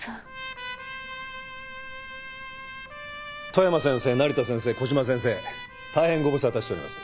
富山先生成田先生小島先生大変ご無沙汰しております。